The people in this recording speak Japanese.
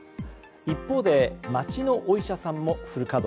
一方で町のお医者さんもフル稼働。